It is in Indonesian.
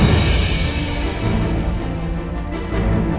ayo satu dua tiga